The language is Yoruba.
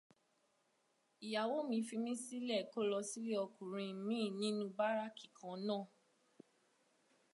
Ìyàwó mi fi mí sílẹ̀ kó lọ sílé ọkùnrin míì nínú báráàkì kan náà.